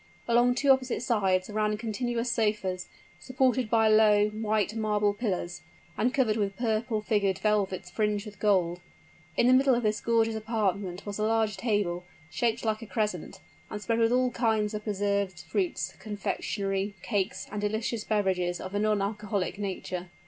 Along two opposite sides ran continuous sofas, supported by low, white marble pillars, and covered with purple figured velvet fringed with gold. In the middle of this gorgeous apartment was a large table, shaped like a crescent, and spread with all kinds of preserved fruits, confectionery, cakes, and delicious beverages of a non alcoholic nature.